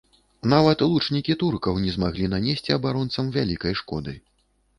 Нават лучнікі туркаў не змаглі нанесці абаронцам вялікай шкоды.